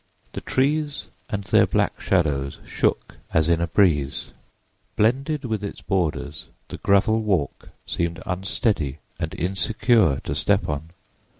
The trees and their black shadows shook as in a breeze. Blended with its borders, the gravel walk seemed unsteady and insecure to step on.